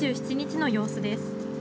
先月２７日の様子です。